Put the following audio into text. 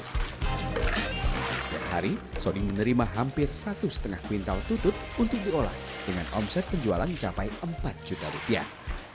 setiap hari sodin menerima hampir satu lima kuintal tutut untuk diolah dengan omset penjualan mencapai empat juta rupiah